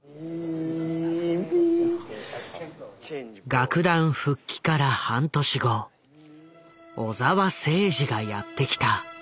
楽団復帰から半年後小澤征爾がやって来た。